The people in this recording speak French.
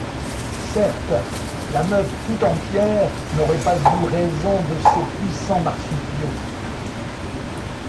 Certes, la meute tout entière n’aurait pas eu raison de ces puissants marsupiaux.